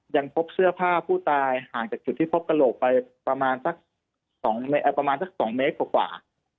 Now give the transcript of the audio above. ยังพบเสื้อผ้าผู้ตายห่างจากจุดที่พบกระโหลกไปประมาณสักประมาณสัก๒เมตรกว่า